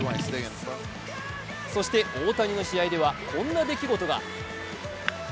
そして大谷の試合ではこんな出来事が。